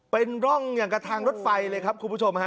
เป็นร่องอย่างกับทางรถไฟเลยครับคุณผู้ชมฮะ